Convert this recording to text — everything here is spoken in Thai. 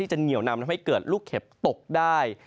ที่จะเหนียวนำให้เกิดลูกเห็บตกได้